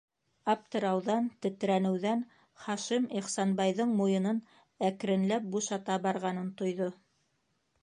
Аптырауҙан, тетрәнеүҙән Хашим Ихсанбайҙың муйынын әкренләп бушата барғанын тойҙо.